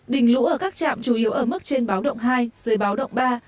đình lũ ở các chạm chủ yếu ở mức trên báo động hai dưới báo động ba